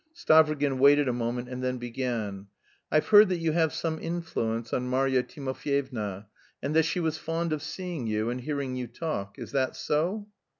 Stavrogin waited a moment and then began. "I've heard that you have some influence on Marya Timofyevna, and that she was fond of seeing you and hearing you talk. Is that so?"